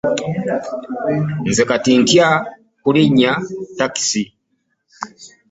Nze kati ntya okulinya takisi.